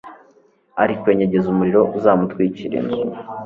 ari ukwenyegeza umuriro uzamutwikira inzu.